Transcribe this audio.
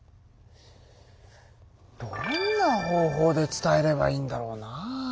どんな方法で伝えればいいんだろうな？